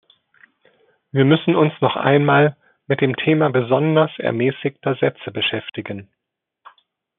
Wir müssen uns noch einmal mit dem Thema besonders ermäßigter Sätze beschäftigen.